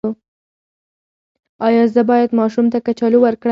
ایا زه باید ماشوم ته کچالو ورکړم؟